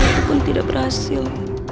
selalu pun tidak berhasil